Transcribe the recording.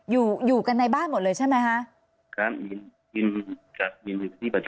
อยู่อยู่กันในบ้านหมดเลยใช่ไหมฮะครับยินยินยินที่ประชุมหมดแล้ว